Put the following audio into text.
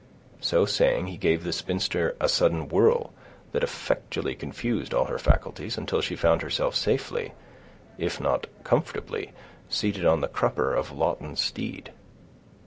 So saying, he gave the spinster a sudden whirl, that effectually confused all her faculties, until she found herself safely, if not comfortably, seated on the crupper of Lawton's steed.